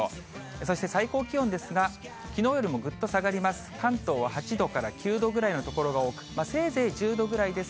そして最高気温ですが、きのうよりもぐっと下がります。